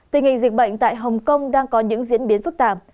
tình hình dịch bệnh tại hồng kông đang có những diễn biến phức tạp